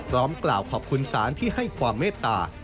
กล่าวขอบคุณศาลที่ให้ความเมตตา